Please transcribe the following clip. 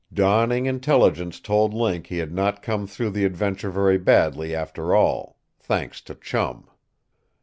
Dawning intelligence told Link he had not come through the adventure very badly, after all thanks to Chum.